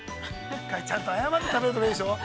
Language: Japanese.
◆ちゃんと謝って食べるところがいいでしょう。